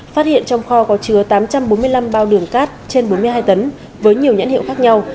phát hiện trong kho có chứa tám trăm bốn mươi năm bao đường cát trên bốn mươi hai tấn với nhiều nhãn hiệu khác nhau